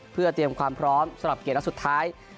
เพื่อเตรียมความพร้อมสำหรับเกมนัดสุดท้าย